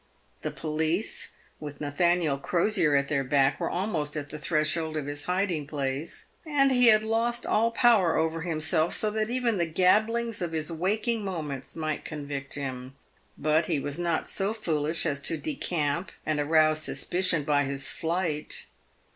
The police, with Nathaniel Crosier at their back, were almost at the threshold of his hiding place, and'he had lost all power over himself, so that even the gabblings of his waking moments might convict him. But he was not so foolish as to decamp and arouse sus picion by his flight.